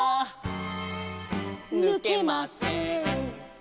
「ぬけません」